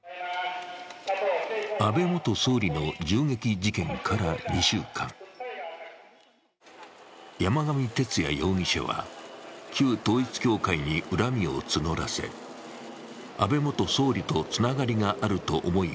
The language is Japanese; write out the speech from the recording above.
安倍元総理の銃撃事件から２週間山上徹也容疑者は、旧統一教会に恨みを募らせ、安倍元総理とつながりがあると思い